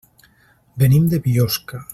Venim de Biosca.